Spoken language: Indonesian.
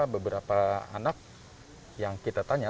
beberapa anak yang kita tanya